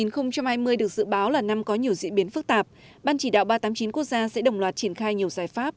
năm hai nghìn hai mươi được dự báo là năm có nhiều diễn biến phức tạp ban chỉ đạo ba trăm tám mươi chín quốc gia sẽ đồng loạt triển khai nhiều giải pháp